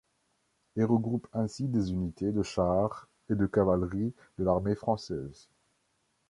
Elle regroupe ainsi des unités de chars et de cavalerie de l'armée française.